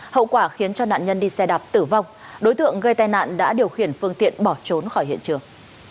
hậu quả khiến cho nạn nhân đi xe đạp tử vong đối tượng gây tai nạn đã điều khiển phương tiện bỏ trốn khỏi hiện trường